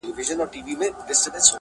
o د دښمن کره ورځم، دوست مي گرو دئ!